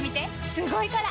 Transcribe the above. すごいから！